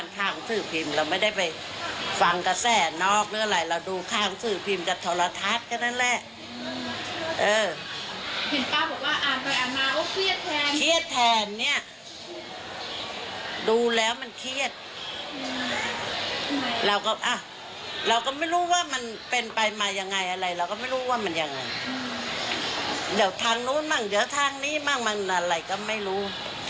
ทางนู้นมังเดี๋ยวทางนี้มังมังอะไรก็ไม่รู้